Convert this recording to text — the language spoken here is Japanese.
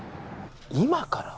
今から？